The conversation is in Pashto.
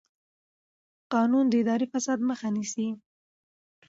قانون د اداري فساد مخه نیسي.